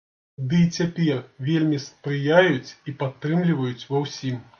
Ды і цяпер вельмі спрыяюць і падтрымліваюць ва ўсім.